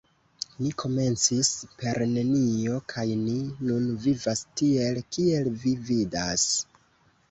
Ni komencis per nenio, kaj ni nun vivas tiel, kiel vi vidas.